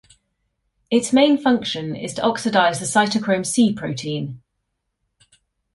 Its main function is to oxidise the Cytochrome c protein.